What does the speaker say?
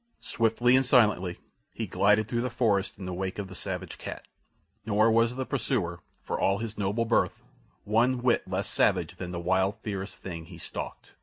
Swiftly and silently he glided through the forest in the wake of the savage cat, nor was the pursuer, for all his noble birth, one whit less savage than the wild, fierce thing he stalked.